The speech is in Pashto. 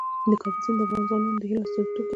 د کابل سیند د افغان ځوانانو د هیلو استازیتوب کوي.